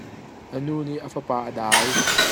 A nu nih a fapa a dai.